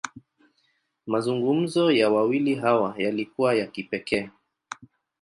Mazungumzo ya wawili hawa, yalikuwa ya kipekee.